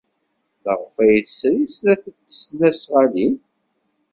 Maɣef ay tesri snat n tesnasɣalin?